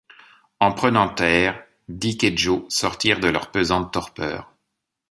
En prenant terre, Dick et Joe sortirent de leur pesante torpeur.